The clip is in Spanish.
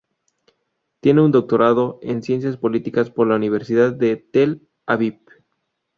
Tiene un doctorado en ciencias políticas por la Universidad de Tel Aviv.